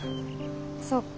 「そっか。